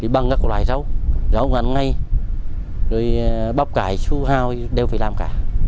băng các loại rau rau ngắn ngay bắp cải su hào đều phải làm cả